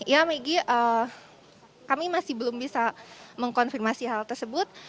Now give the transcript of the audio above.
ya megi kami masih belum bisa mengkonfirmasi hal tersebut